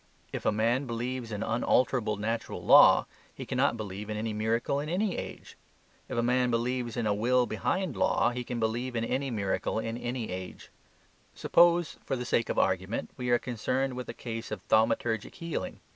If a man believes in unalterable natural law, he cannot believe in any miracle in any age. If a man believes in a will behind law, he can believe in any miracle in any age. Suppose, for the sake of argument, we are concerned with a case of thaumaturgic healing.